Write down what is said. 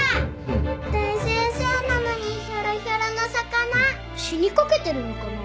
大先生なのにひょろひょろの「魚」死にかけてるのかな？